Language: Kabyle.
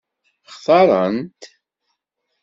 Xtaṛen-t?